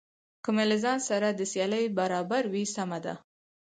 که مې له ځان سره د سیالۍ برابر وي سمه ده.